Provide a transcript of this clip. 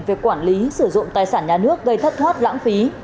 về quản lý sử dụng tài sản nhà nước gây thất thoát lãng phí